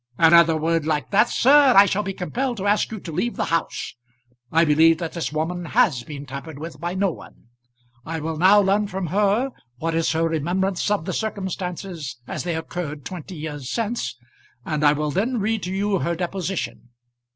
"Another word like that, sir, and I shall be compelled to ask you to leave the house. I believe that this woman has been tampered with by no one. I will now learn from her what is her remembrance of the circumstances as they occurred twenty years since, and I will then read to you her deposition.